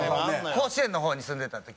甲子園の方に住んでた時ね。